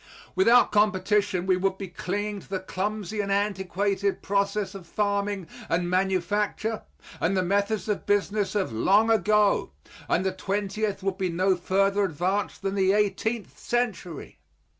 Without competition we would be clinging to the clumsy and antiquated process of farming and manufacture and the methods of business of long ago, and the twentieth would be no further advanced than the eighteenth century.